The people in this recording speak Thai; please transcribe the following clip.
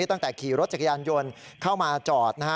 ตั้งแต่ขี่รถจักรยานยนต์เข้ามาจอดนะฮะ